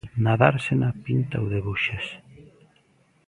Na Dársena, Pinta ou debuxas?